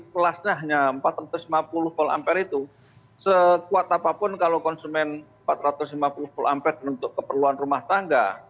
kelasnya hanya empat ratus lima puluh volt ampere itu sekuat apapun kalau konsumen empat ratus lima puluh volt ampere untuk keperluan rumah tangga